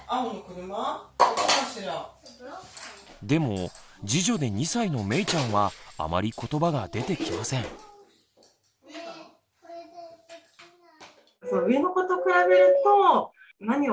でも次女で２歳のめいちゃんはあまりことばが出てきません。